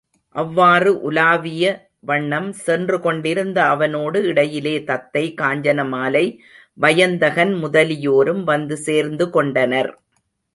அவ்வாறு உலாவிய வண்ணம் சென்று கொண்டிருந்த அவனோடு இடையிலே தத்தை, காஞ்சனமாலை, வயந்தகன் முதலியோரும் வந்து சேர்ந்து கொண்டனர்.